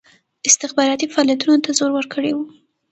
استخباراتي فعالیتونو ته زور ورکړی وو.